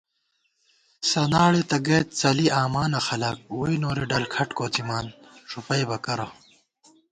سناڑےتہ گئیت څلِی آمانہ خلَک، ووئی نوری ڈل کھٹ کوَڅِمان ݫُپئیبہ کرہ